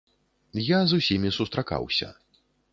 Я з усімі сустракаўся.